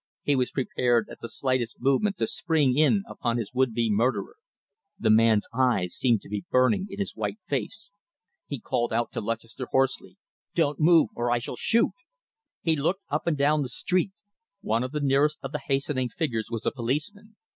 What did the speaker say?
He was prepared at the slightest movement to spring in upon his would be murderer. The man's eyes seemed to be burning in his white face. He called out to Lutchester hoarsely. "Don't move or I shall shoot!" He looked up and down the street. One of the nearest of the hastening figures was a policeman.